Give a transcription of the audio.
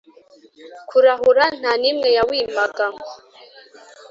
kurahura nta n imwe yawimaga